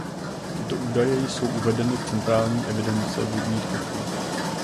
Tyto údaje jsou uvedeny v Centrální evidence vodních toků.